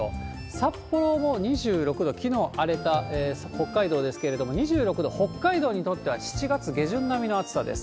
札幌も２６度、きのう荒れた北海道ですけれども、２６度、北海道にとっては７月下旬並みの暑さです。